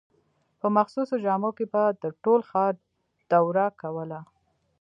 په مخصوصو جامو کې به د ټول ښار دوره کوله.